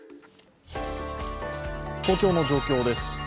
東京の状況です。